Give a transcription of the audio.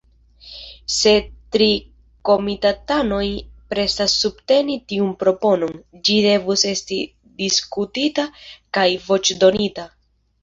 Se tri komitatanoj pretas subteni tiun proponon, ĝi devus esti diskutita kaj voĉdonita.